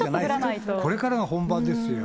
これからが本番ですよ。